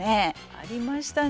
ありましたね。